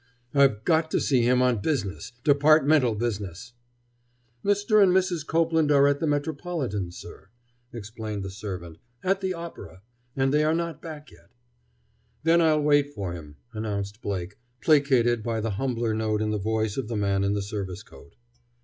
"I've got to see him on business, Departmental business!" "Mr. and Mrs. Copeland are at the Metropolitan, sir," explained the servant. "At the Opera. And they are not back yet." "Then I'll wait for him," announced Blake, placated by the humbler note in the voice of the man in the service coat.